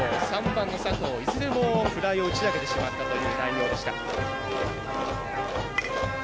３番の佐藤いずれもフライを打ち上げてしまったという内容でした。